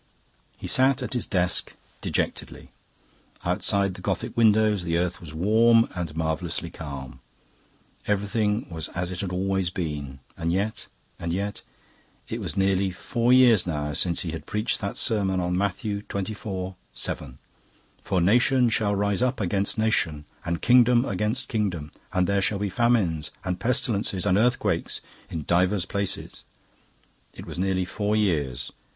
He sat at his desk dejectedly. Outside the Gothic windows the earth was warm and marvellously calm. Everything was as it had always been. And yet, and yet...It was nearly four years now since he had preached that sermon on Matthew xxiv. 7: "For nation shall rise up against nation, and kingdom against kingdom: and there shall be famines, and pestilences, and earthquakes, in divers places." It was nearly four years.